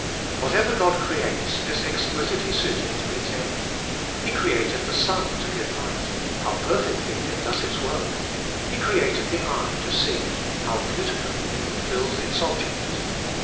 Whatever God creates is exquisitely suited to its end. He created the sun to give light : how perfectly it does its work ! He created the eye to see : how beautifully it fulfils its object!